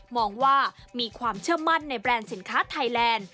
มองว่ามีความเชื่อมั่นในแบรนด์สินค้าไทยแลนด์